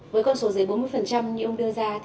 với con số dưới bốn mươi như ông đưa ra